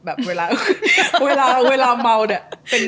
เเบิ๊ยเวลาเมาเเนี่ย